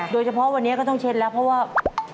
โดยเฉพาะวันนี้ก็ต้องเช็ดแล้วเพราะว่า